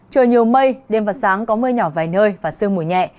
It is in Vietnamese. trời nhiều mây đêm và sáng có mưa nhỏ vài nơi và sương mù nhẹ